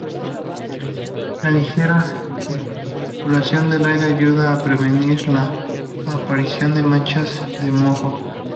Una ligera circulación del aire ayuda a prevenir la aparición de manchas de mohos.